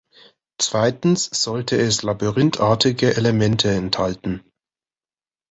Zweitens sollte es labyrinthartige Elemente enthalten.